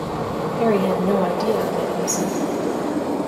Harry had no idea of it himself.